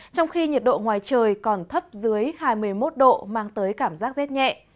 trong khi nhiệt độ ngoài trời còn thấp dưới hai mươi một độ mang tới cảm giác rét nhẹ